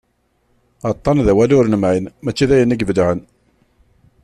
Aṭṭan d awal ur nemɛin mačči d ayen i ibelɛen.